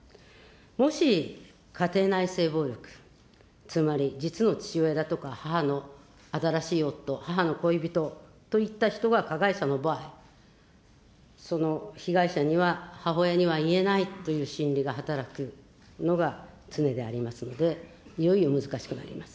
もし家庭内性暴力、つまり、実の父親だとか、母の新しい夫、母の恋人といった人が加害者の場合、その被害者には母親には言えないという心理が働くのが常でありますので、いよいよ難しくなります。